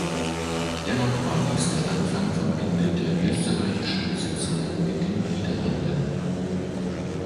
Dennoch war dies der Anfang vom Ende der österreichischen Besitzungen in den Niederlanden.